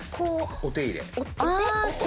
お手入れ。